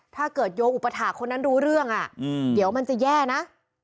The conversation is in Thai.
ถ้าเกิดโยงอุปถาคนนั้นรู้เรื่องอืมเดี๋ยวมันจะแย่นะ